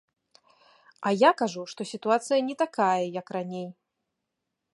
А я кажу, што сітуацыя не такая, як раней.